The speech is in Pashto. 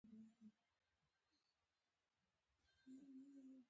ټولنه د سیاسي بې ثباتۍ لور ته ور ټېل وهي.